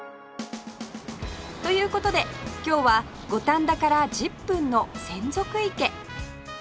という事で今日は五反田から１０分の洗足池